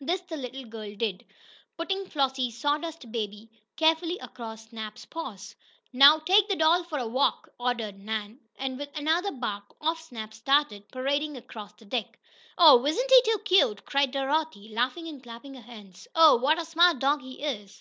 This the little girl did, putting Flossie's "sawdust baby" carefully across Snap's paws. "Now take the doll for a walk!" ordered Nan, and, with another bark, off Snap started, parading across the deck. "Oh, isn't he too cute!" cried Dorothy, laughing and clapping her hands. "Oh, what a smart dog he is!"